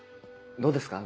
どうですか？